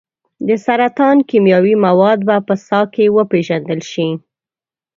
د سرطان کیمیاوي مواد به په ساه کې وپیژندل شي.